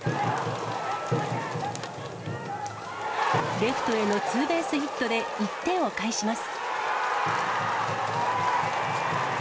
レフトへのツーベースヒットで１点を返します。